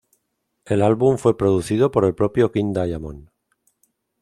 El álbum fue producido por el propio King Diamond.